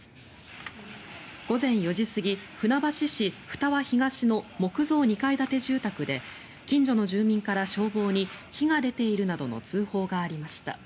午前４時過ぎ、船橋市二和東の木造２階建て住宅で近所の住民から消防に火が出ているなどの通報がありました。